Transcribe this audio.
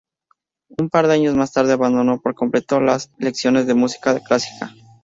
Un par de años más tarde abandonó por completo las lecciones de música clásica.